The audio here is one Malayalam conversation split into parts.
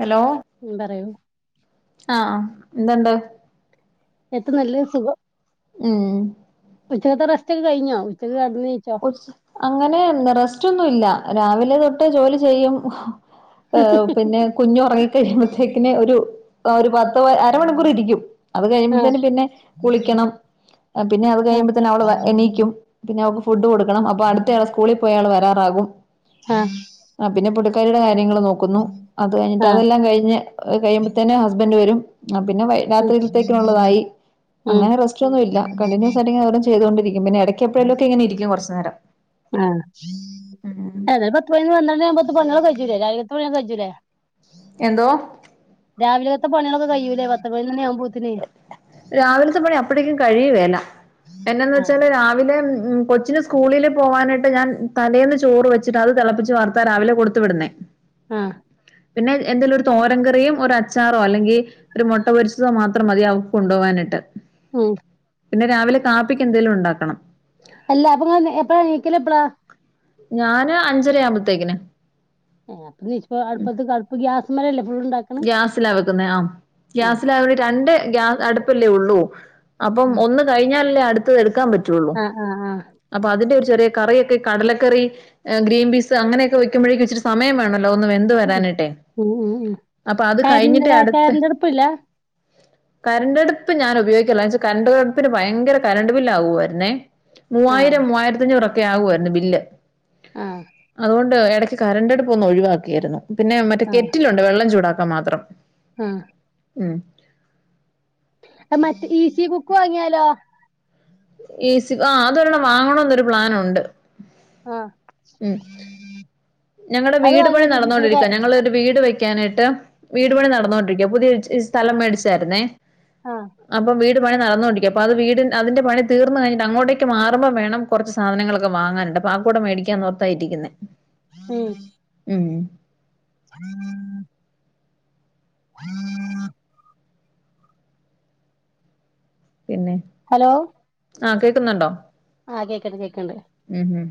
ഹലോ ഉം പറയൂ എന്തണ്ട് എത്ത നല്ല സുഖം ഉംഹ് ഉച്ചക്കത്തെ റസ്റ്റ്ക്കെ കഴിഞ്ഞോ ഉച്ചക്ക് കടന്നീച്ചോ ഉച് അങ്ങനെ റെസ്റ്റോന്നുല്ല രാവിലെ തൊട്ട് ജോലി ചെയ്യും ഏഹ് പിന്നെ കുഞ്ഞു ഒറങ്ങി കഴിയുമ്പോത്തേക്കിന് ഒരു ഒരു പത്ത് ത്ത് അരമണിക്കൂറിരിക്കും. അത് ആഹ് കഴിയുമ്പത്തന് പിന്നെ കുളിക്കണം. പിന്നെ അത് ആഹ് കഴിയുമ്പത്തന്നെ അവള് എണീക്കും പിന്നെ അവക്ക് ഫുഡ് കൊട് ക്കണം. അപ്പൊ അട്ത്തയാള് സ്കൂളി പോയാള് വരാ ആകും ആഹ് ആഹ് പിന്നെ പുട് [unintelligible] ര്യൾങ്ങള് നോക്കുന്നു. അത് കഴിഞ്ഞിട്ട് ആഹ് അതെല്ലാം കഴിഞ് കയ്യുമ്പത്തേന് ഹസ്ബൻന്റ് വരും ആഹ് പിന്നെ വൈ ഉം രാത്രിയിലത്തേക്കുള്ളതായി. ഉം അങ്ങനെ റെസ്റ്റോന്നുല്ല കണ്ടിന്യൂസ് ആയിട്ട് ചെയതുകൊണ്ടരിക്ക പിന്നെ എടക്കപ്പഴൊക്കെ എങ്ങനരിക്കും ആ ഉം എത പത്ത് പതിന വ പത്ത് പ [unintelligible] കജൂ കജൂര എന്തോ രാവിലെത്തെ പണികളൊക്കെ കഴയുല്ലേ പത്തമണി ആകുമ്പോ ത്തിന്. രാവിലത്തെ പണി അപ്പഴേക്കും കഴിയുവേല ആഹ് എന്നന്നവെച്ചാല് രാവിലെ ഉം കൊച്ചിന് സ്കൂളില് പോകാനായിട്ട് ഞാൻ തലേന്ന് ചോറ് വെച്ച് അത് തിളപ്പിച്ച് വാർത്താ രാവിലെ കൊടുത്ത് വിടുന്നേ ആഹ് പിന്നെ എന്തെങ്കിലും ഒരു തോരങ്കറിയും ഒരു അച്ചാറോ അല്ലെങ്കിൽ ഒരു മുട്ട പൊരിച്ചതോ മാത്രം മതി അവൾക്ക് കൊണ്ടുപോകാനിട്ട്. ഉം പിന്നെ രാവിലെ കാപ്പിക്ക് എന്തെലും ഉണ്ടാക്കണം അല്ല അപ്പൊ എപ്പഴാ നീക്കല എപ്പഴാ ഞാന് അഞ്ചര ആവുമ്പോത്തേക്കിന് പ്പൊ അപ്പ അ ഗ്യാ [inaudible] ഗ്യാസില വെക്കുന്ന ആ ആഹ് ഗ്യാസിലകേണ്ടി രണ്ട് ഗ്യാസ് അടുപ്പല്ലേ ഉള്ളൂ അപ്പം ആഹ് ഒന്ന് കഴിഞ്ഞാലല്ലേ അടുത്തത് എടുക്കാൻ പറ്റും ആഹ് ആഹ് ആഹ് ആ ആ ചെറിയ കറിയൊക്കെ കടലക്കറി ഗ്രീൻ പീസ് അങ്ങനെയൊക്കെ വക്കുമ്പോഴേക്കും ഇച്ചി സമയമാണ് ല്ല ഒന്നും എന്ത് വരാനിട്ടെ കയറിറെ കയറിന്റെ അടുപ്പല്ല കരണ്ട്ടുപ്പ് ഞാൻ ഉപയോഗിക്കില്ല കടുപ്പിന് ഭയങ്കര കരണ്ട് ബില് ആകുവായിരുന്നേ മൂവായിരം ആഹ് മൂവരത്തിഞ്ഞൂറ്ക്ക ഒക്കെ ആകുായിരുന്നു ബില്ല് ആഹ് അതുകൊണ്ട് ഇടയ്ക്ക് കറണ്ട്ടുപ്പ് ഒന്ന് ഒഴിവാക്കിയിരുന്നു പിന്നെ മറ്റേ കെറ്റിലുണ്ട് വെള്ളം ഉണ്ടാക്കൻ മാത്രം ആ മ് ആഹ് മറ്റേ ഈസി കുക്ക് വാങ്ങിയാലോ സ ആ അത വാങ്ങണന്നൊരു പ്ലൻുണ്ട് ആഹ് ഉ ഞങ്ങളടെ അത് വീട് പണി വാങ്ങിയാ പിന്നെ നടന്നോൊണ്ടിരിക്കാ ഞങ്ങൾ ഒരു വീട് വ കാനഡ വീട്പണി നടന്നുകൊണ്ടിരിക്കുക പുതിയ ഇ സ്ഥലം മേടിച്ചായിരുന്നേ ആ അപ്പം വീട് പണി നടന്നോണ്ടിരിക്ക അപ്പൊ അത് വീട് അതിന്റെ പണി തീർന്നു കഴിട്ട്ങ്ങോട്ടേക്ക് മാുമ്പോൾേണം കുറച്ച് സാധനൾ വാങ്ങാനണ്ട് പാക്കൂടെ മടിക്കാൻ ആയിരിക്കുന്ന മ് മ് ഹം ആം [unintelligible] പിന്നെ ഹലോ ആഹ് കേൾക്കുന്നുണ്ടോ ആ കേൾക്കണ്ട് കേൾക്കണണ്ട് ഉം ഉം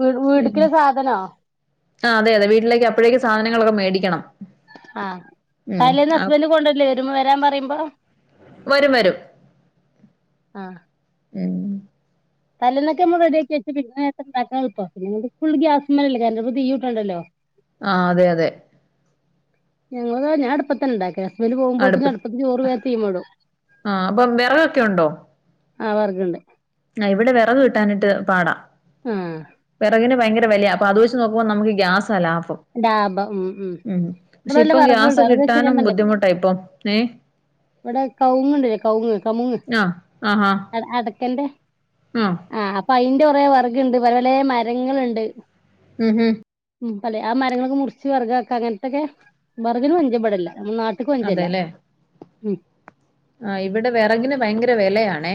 വീട് വീടു ക്കിലെ പിന്നെ സാധനോ? ആ അതെ അതെ വീട്ടിലേക്ക് അപ്പോഴേക്കെ സാധനങ്ങളൊക്കെ മേടിക്കണം. ആഹ് ഉം കാലേന്ന് ആ ഹസ്ബൻ്റ് കൊണ്ടല്ലേ? ഒരുമ്മ തരാൻ പറയുമ്പോ വരും വരും. ആഹ. ഉം. തലേൊക്കെ നമ്മൾ റെഡിയാക്കി വെച്ച് പിന്ന ട്ട്ഉണ്ടാക്കാൻ എളുപ്പ് പിന്നെ [unintelligible] ഫുൾ ഗ്യാസ്മെല്ല അല്ലെ [unintelligible] തീട്ടുണ്ടല്ലോ ആ അതെ അതെ ഞങ്ങളത് ഞാൻ അടുപ്പത്ത ഇണ്ടാക്ക. അടുപ്പത്ത് അ ആ അപ്പം വിറകൊക്കെ ഉണ്ടോ? ആ വർക്ണ്ട്. ആ ഇവിടെ വെറക് കിട്ടാനിട്ട് പാട. ആ. വിറകിന് ഭയങ്കര വെലയ, അപ്പ അത് വെച്ച് നോക്കുമ്പ നമുക്ക് ഗ്യാസാ ലാഭ ഡാഭം മ് മ് ഇവിടെ പക്ഷെ നല്ല ഇപ്പം ഗ്യാസ് വെറെക്ണ്ട്, ഒരീച്ച കിട്ടാനും നാപറഞ്ഞില്ലേ ബുദ്ധിമുട്ടാ ഇപ്പം ഏ ഇവിടെ കൗങ്ങ്ണ്ട് കൗങ്ങ് കമുങ്ങ് ആഹ് ആഹാ അട അടെ ക്കെന്റെ ആഹ് ആ അപ്പ അയിന്റെ കുറേ വെറക്ണ്ട് പല പലേ മരങ്ങള്ണ്ട്. മ് ഹ്. മ്. അല്ലെ ആ മരങ്ങളൊക്ക മുറിച്ച് വെറകാക്ക അങ്ങൻത്തെക്കെ വെറ കിന് പഞ്ചം ഇവിടെല്ല. നമ്മ നാട്ട്ക്ക് പഞ്ചല്ല. മ് ആഹ് ഇവിടെ വിറകിന് ഭയങ്കര വിലയാണേ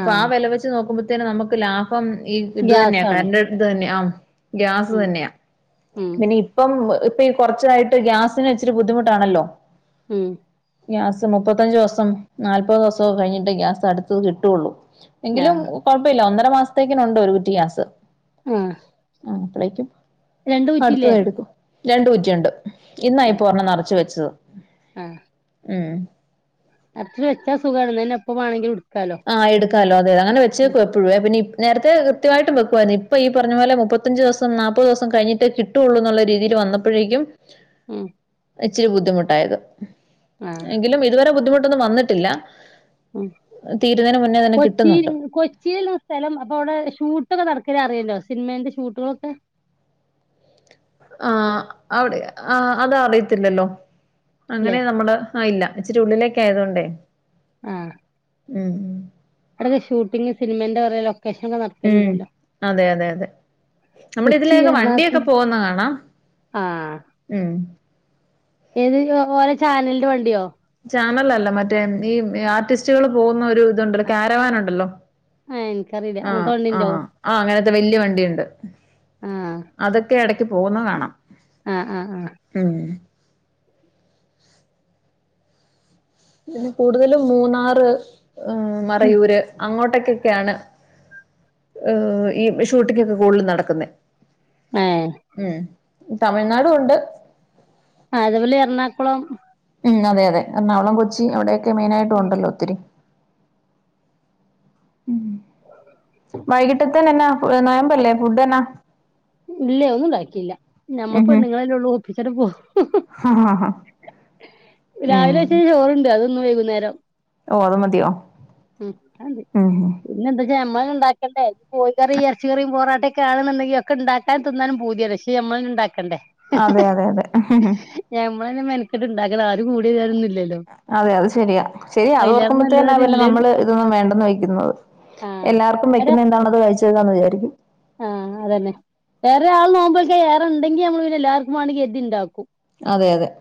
അപ്പൊ ആഹ് വില വെച്ച് നോക്കുമ്പോ ത്തിന് നമുക്ക് ലാ ഭം ഈ ഇത് തന്നെയാ ഗ്യാസാണ് കരണ്ട് ഇത് തന്നെ ആഹ് ഗ്യാസ് ഉം തന്നെയാ ഉം പിന്നെ ഇപ്പം ഇപ്പ ഈ കുറച്ചായിട്ട് ഗ്യാസിന് ഇച്ചിരി ബുദ്ധിമുട്ടാണല്ലോ ഉം ഗ്യാസ് മുപ്പ ത്തഞ്ചിസം നാല്പ്പത് ദിസം കഴിഞ്ഞിട്ടേ ഗ്യാസ് അടുത്തത് കിട്ടൊള്ളൂ എങ്കിലും ആഹ് കുഴപ്പല്ല ഒന്ന ത്ത മാസത്തേക്കിനുണ്ട് ഒരു കുറ്റി ഗ്യാസ് ആഹ് ആഹ് അപ്പളേക്കും രണ്ട് അടുത്തത് കുറ്റില്ലേ എടുക്കും രണ്ട് കുറ്റി ഉണ്ട് ഇന്നാ ഇപ്പൊ ഒരെണ്ണ നറച്ച് വെച്ചത് [inaudible] ആ മ് അറച്ച് വെച്ചാ സുഖാണ് ന്നാ ന്നെ എപ്പ വാണെങ്കിലും എട് ആ എടുക്കാലോ അതെ അങ്ങനെ വെച്ചെക്ക് എപ്പഴു പിന്നെ നേരത്തെ കൃത്യമായിട്ടും വെക്കുയിരുന്നു ഇപ്പൊ ഈ പറഞ്ഞ പോലെ മുപ്പത്തഞ്ച് ദിവസം നാപ്പത് ദിവസം കഴിഞ്ഞിട്ടെ കിട്ടുള്ളൂ എന്നുള്ള രീതിൽ വന്നപ്പ ഴേക്കും മ് ഇച്ചിരി ബുദ്ധിമുട്ടായത് ആഹ് എങ്കിലും ഇതുവരെ ബുദ്ധിമു ട്ടൊന്നു വന്നിട്ടില്ല ആ തീരുന്നതിന് മുന്നേ തന്നെ കൊച്ചി, കിട്ടുന്നുണ്ട് കൊച്ചി സ്ഥലം അപ്പൊ അവിടെ ഷൂട്ടൊക്കെ നടക്ക അറിയല്ലോ സിനിമന്റെ ഷൂട്ടുകളൊക്കെ ആ, അവിടെ ആ അത് അറിയത്തില്ലല്ലോ. ല്ലേ അങ്ങനെ നമ്മള് ആ, ഇല്ല ഇച്ചിരി ഉള്ളിലേക്ക് ആയതൊണ്ടേ ആ ഉം, ഉം അവിടൊക്കെ ഷൂട്ടിംങ് സിനിമേന്റെ പറയ ഉം, അതെ അതെ അതെ നമ്മുടെ കൊച്ചി ഇതിലേൊക്കെ വണ്ടിയൊക്കെ എറണാകുളം പോകുന്ന കാണാം, ആഹ് ഉം ഏത് ഓരോ ചാനലിന്റെ വണ്ടിയോ ചാനൽ അല്ല മറ്റേ ഈ ആർട്ടിസ്റ്റുകൾ പോകുന്ന ഒരു ഇതുണ്ടല്ലോ കാരവാൻ ഉണ്ടല്ലോ ഏഹ് ഇൻക്കറിയില്ല ആ, അങ്ങനത്തെ ആ, വണ്ടിണ്ടോ ആ അങ്ങനത്തെ വല്യ വണ്ടിയുണ്ട് അതൊക്കെ ഇട പോകുന്ന കാണാം അ അ അ ഉം പിന്നെ കൂടുതലും മൂന്നാറ് ഉം മറയൂര് അങ്ങോട്ടക്കൊക്കെയാണ് ഏ ഈ ഷൂട്ടിങ്ങ് ഒക്കെ കൂടുതലും നടക്കുന്നെ ഏ തമിഴ്നാടും ഉണ്ട് അതേപോലെ എറണാകുളം ഉം അതെ അതെ എറണാകുളം, കൊച്ചി, അവിടെ മെയിൻ ആയിട്ടും ഉണ്ടല്ലോ ഒത്തിരി ഉം, വൈകിട്ട് എന്നാ നോയമ്പല്ലേ ഫുഡ് എന്നാ ഇല്ലേ ഒന്നുംണ്ടാക്കിയില്ല ഞമ്മൾ ഉം പെണ്ണുങ്ങളല്ലെ ഉള്ളു [unintelligible] ഹും രാവിലെ വെച്ച ചോറുണ്ട് അത് ഇന്ന് വൈകുന്നേരം- ഓള് മതിയോ, ഉം- ഞമ്മള് ഉണ്ടാക്കട്ടെ- കോയി കറി ഇറച്ചി കറി പോറട്ട കാണുന്നുണ്ടെങ്കി ഉണ്ടാക്കാനും, തിന്നാനും പൂതിയ പക്ഷെ നമ്മള് തന്നെ ഉണ്ടാക്ക അതെ, അതെ, അതെ- നമ്മള് തന്നെ മെനക്കട്ട് ഉണ്ടാക്കല് ആരും കുടി വാരാനൊന്നു വില്ല- അതെ അത് ശരിയാ ശരിയാ അത് അയിലേറെ ഓർക്കുമ്പോത്തേ തന്നാ നല്ലതത് പിന്നെ ഇല്ലേ നമ്മള് ഇതൊന്നും വേണ്ടെന്ന് വെക്കുന്നത് ആഹ് എല്ലാവർക്കും അര വെക്കുന്ന എന്താണത് കഴച്ചതാന്ന് വിചാരിക്കും- ആഹ് അതന്നെ വേറെ ആൾ നോമ്പോഴക്കെ വേറെ ഉണ്ടെങ്കി നമ്മള് പിന്നെ എല്ലാവർക്കും വേണെങ്കിൽ ഇണ്ടാക്കും- അതെ അതെ-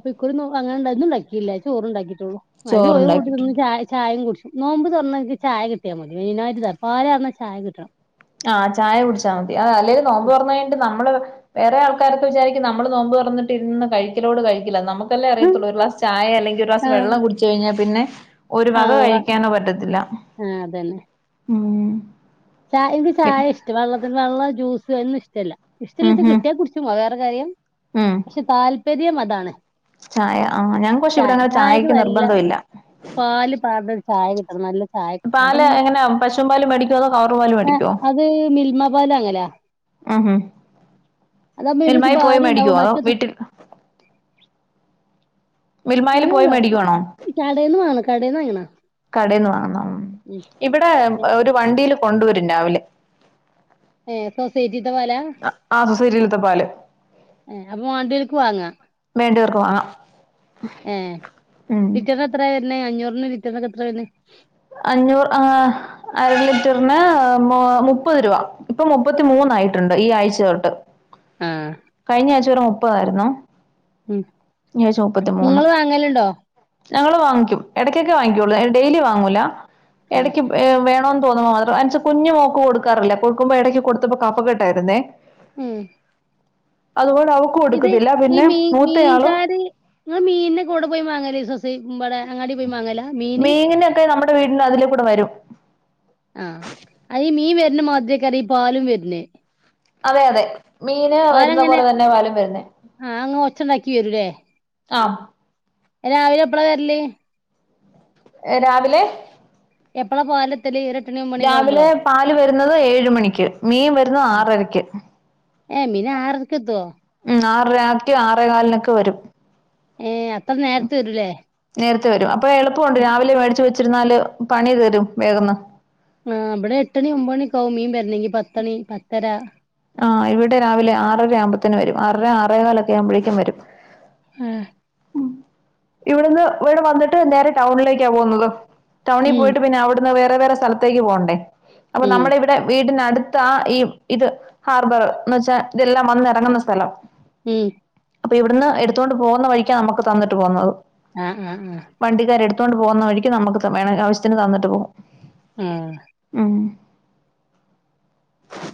ഇപ്പ ഇക്കുറി നോമ്പ് അങ്ങന ഒന്ന് ഉണ്ടാക്കിയില്ല ചോറ്ണ്ടാക്കി- ഒ അതിലി ഒരു കൂട്ടരിന്ന് ചോറുണ്ടാക്കിയിട്ടുണ്ട് ച ചായയും കുടിച്ച് - നോമ്പ് തുറന്നെനിക്ക് ചായ കിട്ടിയാൽ മതി മീനായിട്ട് പാലന്നാ ചായ കിട്ടണം- ആഹ് ചായ കുടിച്ചാൽ മതി അ അല്ലേങ്കും നോമ്പ് തുറന്ന് കഴിഞ്ഞ്ട്ട് നമ്മള്- വേറെ ആൾക്കാരൊക്കെ വിചാരിക്കും നമ്മള് നോമ്പ് തൊറന്നിട്ട് ഇരുന്ന് കഴിക്കലോട് കഴിക്കലാ നമുക്ക്- ക്കല്ലേ അറിയത്തൂള്ളു ഒരുഗ്ലാസ് ചായ അല്ലെങ്കി ഒരു ഗ്ലാസ് ആഹ് വെള്ളം കുടിച്ച് കഴിഞ്ഞൽ പിന്നെ- ഒരു വക ആഹ് വ കഴിക്കാനോ പറ്റത്തില്ല- ആഹ് അതന്നെ ഉം ചായ ഇൻക്ക് ചായ ഇഷ്ടം, വെള്ളത്തിന് വെള്ളം ജ്യൂസ് [unintelligible] ടല്ല ഉം ഇഷ്ടല്ലത്തെ ഉം കിട്ട്യാ കുട്ച്ചും [unintelligible] ന്ത കാര്യം ഉം പക്ഷെ താൽ പര്യം മതാണ്. ചായ ആഹ് ഞൻ കൊഷിവിടെങ്ങനെ ചായക്ക് നിർബന്ദുഇല്ല അത് നല്ല ചായ പാല് എങ്ങനെ പശും പാലു മടിക്ണതോ കവ് ആഹ് അത് ഫിൽമപാലാങ്ങലാ ആഹ ഹ പിന്നെ ഇച്ച് മന്മായി പോയി ഭാരി മേടിക്കോ ഇണ്ടാവും അതോ മറ്റേത് വീട്ടിൽ മിൽമൽ അത് പോയി മേടിക്കുവാണോ കടേന്ന് വാങ്ങണം കടേന്ന് വാങ്ങണ കടൽന്ന് വങ്ങോ ഉം ഇവിടെ ഒരു വണ്ടിൽ കൊണ്ടുവരും രാവിലെ സ വണ്ട ആഹ് സൊസൈറ്റിയിലത്തെ പാല് വേണ്ടിയവർക്ക് വാങ്ങാം ഉം പിന്നെ അഞ്ഞൂറിന് വിറ്റന്നക്കെ എത്ര വേ റിന് മുപ്പത് രൂപ ഇപ്പൊ മുപ്പത്തി മൂന്നായിട്ടുണ്ട് ഈ ആഴ്ച തൊട്ട് ഉം കഴിഞ്ഞ ആഴ്ച്ചോറ മുപ്പതായിരുന്നോ ഉം നിങ്ങ വാങ്ങലുണ്ടോ ഞങ്ങള്ൾ വാങ്ങിക്കും ഇടയ്ക്കൊക്കെ വാങ്ങിക്കയുള്ളൂ ഡെയിലി വാങ്ങൂല ആഹ് ഇടക്ക് വേണ തോന്ന്മ്പം മാത്രം എന്നച്ചാ കുഞ്ഞ് മോക്ക് കൊടുക്കാറില്ല കൊടുക്കുമ്പോ ഇടക്ക് കൊടുത്തപ്പോ കഫ കെട്ടായിരുന്നേ ഉം അതുകൊണ്ട് അവക്ക് ഇത് കൊടുക്കത്തില്ല ഈ പിന്നെ മീ മൂത്തയാളും മീൻകാര് ങ്ങള് മീനൊക്കെ എവിടെ പോയാ മാങ്ങൽ ബടെ അങ്ങാടി പോയി മാങ്ങലാ മീനൊക്കെ നമ്മുടെ വീടിന്റെ അതിലേ കൂടെ വരും ന്നമാതിരി ഈ പാലും വരുന്നേ അതെ അതെ മീന് വരുന്ന വാങ്ങലെങ്ങനെ പോലെ തന്നെ പാലും വരുന്നേ ആ അങ്ങ് ഒച്ചണ്ടാക്കി വരൂലേ ആം രാവിലെ എപ്പളാ വരല് രാവിലെ എപ്പഴാ പാലൊ രാവിലെ പാല് വരുന്നത് ഏഴ് മണിക്ക് മീൻ വരുന്ന ആറരക്ക് ഏ മീൻ ആറരക്കെത്തോ ആറേകാലിനൊക്കെ വരും ഏ അ അത്ര നേരത്തെ വരൂലേ നേരത്തെ വരുവാ ഇപ്പോ എളപ്പമുണ്ട് രാവിലെ മേടിച്ച് വെച്ച് ച്ചിരുന്നാല് പണി തീരും വേഗന്ന് ആ വിടെ എട്ടണി ഒമ്പണിക്കാവും മീൻ വരനെങ്കി പത്തണി പത്തര ആ ഇവിടെ രാവിലെ ആറര ആവുമ്പത്തേന് വരും ആറര ആറേകാലൊക്കെ ആവുമ്പോഴേക്കും വരും ആ ഉം ഇവിടെന്ന് വിടെ വന്നിട്ട് നേരെ ടൗണിലേക്കാ പോഉന്നത്. ടൗണി ഉം പോയിട്ട് പിന്നെ അവിടുന്ന് വേ വേവേറെ സ്ഥലത്തേക്ക് പോഎണ്ടേ? അപ്പൊ ഉം നമ്മുടെ ഇവിടെ വീടിനടു ത്ത ഈ ഇത് ഹാർബർ ന്ന് വെച്ചാ ഇതെല്ലാം വന്നിറങ്ങുന്ന സ്ഥലം ഉം അപ്പൊ ഇവിടുന്ന് എടുത്തോണ്ട് പോന്ന വഴിക്കാണ് നമുക്ക് തന്നിട്ട് പോന്നത് ആഹ് ആഹ് ആഹ് ത്തോണ്ട് പോക്ന്ന വഴിക്ക് നമുക്ക് വേണേ ആശ്യത്തിന് തന്നിട്ട് പോകും ആഹ് ഉം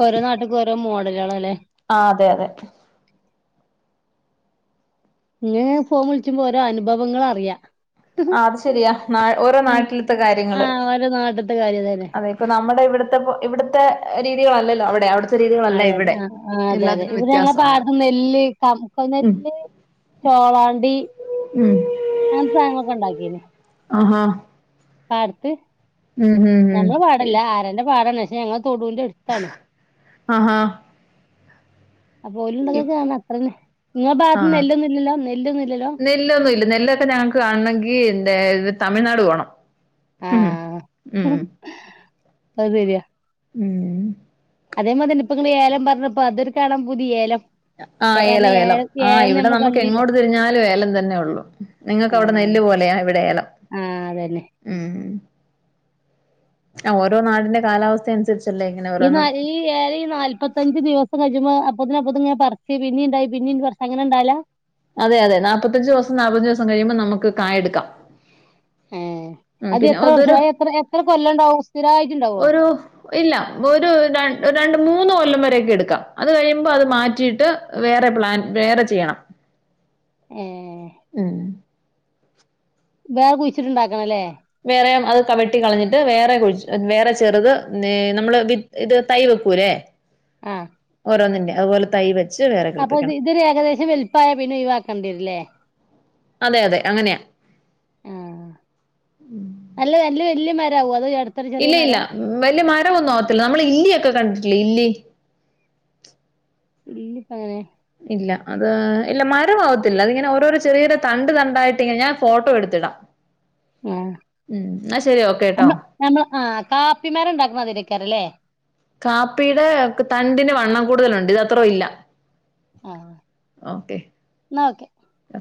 ഓരോ നാട്ട്ക്കും ഓരോ മോഡലുകളാല്ലേ ആ അതെ അതെ ഇങ്ങ ഫോൺ വിളിക്കുമ്പോ ഓരോ അനുഭവങ്ങൾ അറിയാം ആഹ് അത് ശെരിയാ നാ ഓരോ നാട്ടിലത്തെ കാര്യങ്ങള് ആഹ് ഓരോ നാട്ട്ത്തെ കാര്യം തന്നെ അതെ ഇപ്പ നമ്മുടെ ഇവിടെ ഇവിത്തെ ഇവിടുത്തെ രീതികളല്ലല്ലോ അവിടെ അവിടുത്തെ രീതികളല്ല അതെ അതെ ഇവിടെ ആഹ് ആഹ് അതെ അതെ എല്ലാത്തിനും ഇവിടെ ഞങ്ങ വ്യത്യാസമുണ്ട് പാട്ട നെല്ല് കമക്ക നെല്ല് ചോളാണ്ടി അങ്ങനത്തെ സാധങ്ങളൊക്കെ ഒണ്ടാക്കീനെ ആഹാ പാട്ത്ത് ഉം ഉം ഉം ഞമ്മള പാടില്ല ആരന്റെ പാടണ് ഞങ്ങ തൊടുന്റടുത്താണ് ആഹാ അപ്പ ഓലുണ്ടാകാച്ച അത്രിം ആഹ് ഇല്ലല്ലോ നെല്ലൊന്നുല്ല നെല്ലൊക്കെ ഞങ്ങക്ക് കാണണെങ്കി ന്റെ തമിഴ്നാട് പോണം ഉംഹ് ഉംഹ് അഹ് സര്യാ ഉംഹ് അതേമാതിന്നെ ഇപ്പങ്ങള് ഏലം പർഞ്ഞപ്പോ അതൊരു കാണാൻ പൂതി ഏലം ആ കാരണം ഏലവേലം. ഏലം ആഹ് ഏലം ഇവടെ നമ്മള് നമുക്ക് കണ്ടില്ല എങ്ങോട്ട് തിരിഞ്ഞാലും ഏലം തന്നെ ഉള്ളു. നിങ്ങക്ക് അവിടെ ആഹ് നെല്ല് പോലെയ ഇവിടെ ഏലം ആഹ് അതന്നെ ഉം ഉം ആഹ് ഓരോ നാടിന്റെ കാലാവസ്ഥ അനുസരിച്ച് ഈ നാ ഈ ഏലെ ഈ നാല്പത്തഞ്ച ദിവസം കജ് റ്റുമൊ അപ്പൊതിന് അപ്പത്ങ്ങനെ പർച്ച് പിന്നീണ്ടായി പിന്നിം പർച്ച് അങ്ങനെണ്ടാവലാ അതെ അതെ നാപ്പത്തഞ്ചോസം നാല്പ്പഞ്ചു ദിവസം കഴിയുമ്പോ നമുക്ക് കായെടുക്കാം ഏഹ് ഉം അത് പിന്നെ എത്ര വർഷം അതൊരു അത് എത്ര എത്ര കൊല്ലം ഇണ്ടാവും സ്ഥിരായിട്ടുണ്ടാവോ ഒരു ഇല്ല ഒരു ര രണ്ട് മൂന്ന് മൂന്ന് കൊല്ലം വരൊക്കെ എടുക്കാം അത് കഴിയുമ്പോ അത് മാറ്റിയിട്ട് വേറെ പ്ലാൻ വേറെ ചെയ്യണം ആ ഉം വേറെ കുഴിച്ചിട്ടുണ്ടാക്കണം അല്ലേ വേറെ അത് കവിട്ടി കളഞ്ഞിട്ട് വേറെ കുഴ വേറെ ചെറുത് നമ്മള് വി ഇത് തൈ വെക്കൂല്ലേ ആഹ ണ്ട് അതുപലെ തൈ വെച്ച് വേറെ അപ്പൊ കിളിപ്പിക്കണം ഇതൊരു ഏകദേശം വലുപ്പായ പിന്നെ ഒഴിവാക്കണ്ടിരില്ലേ അതെ അതെ അങ്ങനെയാ ആഹ നല്ല നല്ല ഇല് മരവും അ ഇല്ല ഇല്ല വലിയ മരമൊന്നും ആവത്തില്ല നമ്മള് ഇല്ലിക്കെ കണ്ടി ഇല്ലി ഇല്ലിപ്പകനെ ഇല്ല അത് ഇല്ല മരമാവത്തില്ല അതിങ്ങനെ ഓരോരോ ചെറിയൊരു തണ്ട് തണ്ടായിട്ട ഇങ്ങനെ ഞാൻ ഫോട്ടോ എടുത്തിടാം ഉം എന്നാ ശരി ഓക്കെ ട്ടോ ആമ്മ നമ്മൾ ആ കാപ്പിമാരണ്ടാക്കും മാതിരിക്കാറല്ലേ കാപ്പിയുടെ തണ്ടിന് വണ്ണം കൂടുതലുണ്ട് ഇതത്ത്ര ഇല്ല. ആഹ ഓക്കെ എന്നാക്കെ ഓക്കെ